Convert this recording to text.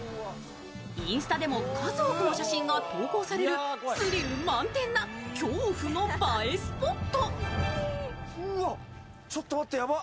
インスタでも数多くの写真が投稿されるスリル満点な恐怖の映えスポット。